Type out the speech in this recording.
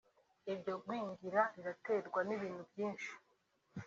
iryo gwingira riraterwa n’ibintu byinshi